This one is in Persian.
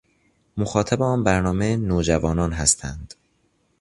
مخاطب آن برنامه، نوجوانان هستند